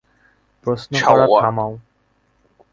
প্রশ্ন করা থামাও।